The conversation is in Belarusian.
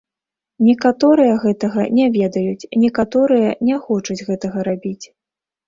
Некаторыя гэтага не ведаюць, некаторыя не хочуць гэтага рабіць.